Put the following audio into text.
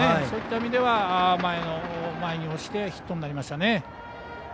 そういった意味では、前に落ちてヒットになりましたね。